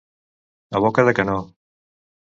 A boca de canó.